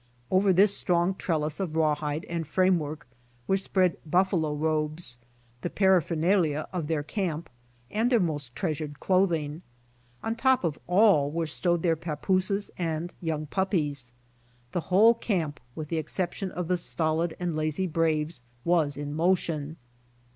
OA'er this strong trellis of rawhide and frame work were spread buffalo robes, the para phernalia of their camp, and their most treasured clothing. On top of all were stowed their papooses and young puppies. The whole, camp with the excep tion of the stolid and lazy braves A\'as in motion.